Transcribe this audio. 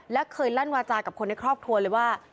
และเคยลั่นวาจากับคนในครอบครัวเลยว่า